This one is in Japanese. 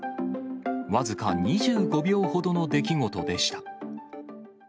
僅か２５秒ほどの出来事でした。